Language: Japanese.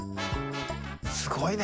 すごいね。